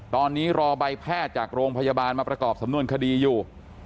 ตอนนี้รอใบแพทย์จากโรงพยาบาลมาประกอบสำนวนคดีอยู่